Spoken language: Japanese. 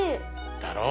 だろ？